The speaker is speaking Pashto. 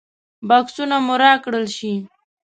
بکسونه مو راکړل شي.